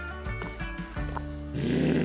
うん。